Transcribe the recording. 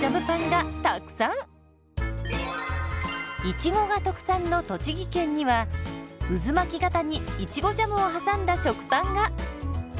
いちごが特産の栃木県には渦巻き型にいちごジャムを挟んだ食パンが！